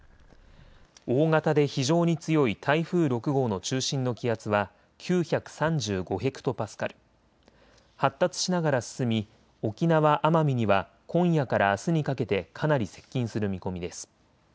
大型で非常に強い台風６号の中心の気圧は９３５ヘクトパスカル、発達しながら進み沖縄・奄美には今夜からあすにかけてかなり接近する見込みです。